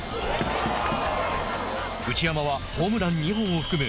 内山はホームラン２本を含む